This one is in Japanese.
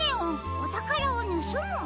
おたからをぬすむ」？